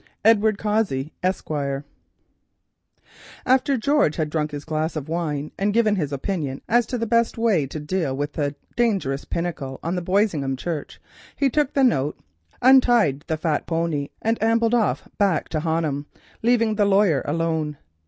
EDWARD COSSEY, ESQUIRE After George had drunk his glass of wine and given his opinion as to the best way to deal with the dangerous pinnacle on the Boisingham Church, he took the note, untied the fat pony, and ambled off to Honham, leaving the lawyer alone.